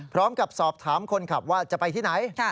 พร้อมกับสอบถามคนขับว่าจะไปที่ไหน